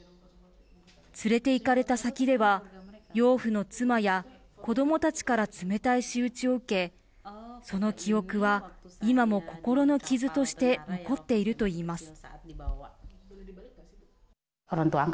連れていかれた先では養父の妻や子どもたちから冷たい仕打ちを受けその記憶は今も心の傷として残っているといいます。